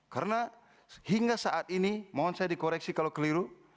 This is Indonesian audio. karena hingga saat ini mohon saya dikoreksi kalau keliru